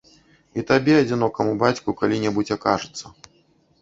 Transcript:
І табе, адзінокаму бацьку, калі-небудзь акажацца.